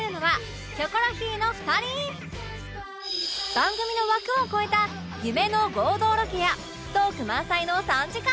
番組の枠を超えた夢の合同ロケやトーク満載の３時間！